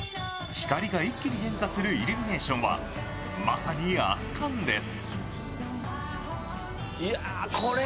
光が一気に変化するイルミネーションはまさに圧巻です。